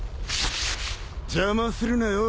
邪魔するなよ